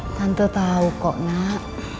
tante tau kok nak